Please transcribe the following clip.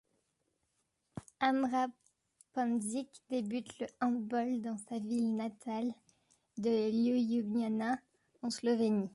Amra Pandžić débute le handball dans sa ville natale de Ljubljana en Slovénie.